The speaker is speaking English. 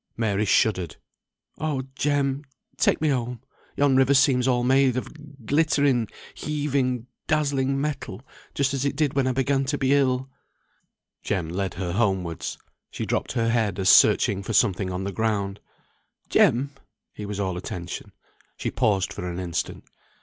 Mary shuddered. "Oh, Jem! take me home. Yon river seems all made of glittering, heaving, dazzling metal, just as it did when I began to be ill." Jem led her homewards. She dropped her head as searching for something on the ground. "Jem!" He was all attention. She paused for an instant.